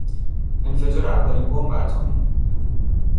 انفجار اولین بمب اتمی